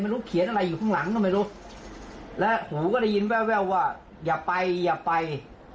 เขียนอะไรอยู่ข้างหลังก็ไม่รู้แล้วผมก็ได้ยินแววว่าอย่าไปอย่าไป